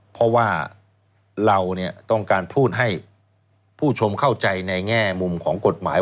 เพราะว่าเราต้องการพูดให้ผู้ชมเข้าใจในแง่มุมของกฎหมาย